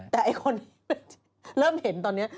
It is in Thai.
แต่ไอ้คนเริ่มเห็นตอนนี้